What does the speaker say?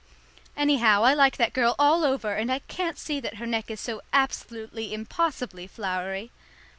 Anyhow, I like that girl all over, and I can't see that her neck is so absolutely impossibly flowery.